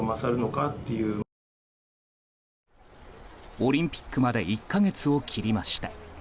オリンピックまで１か月を切りました。